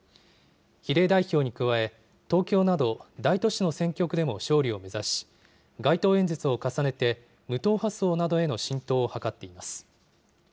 比例代表に加え、東京など、大都市の選挙区でも勝利を目指し、街頭演説を重ねて、無党派層などへの浸透を図っています。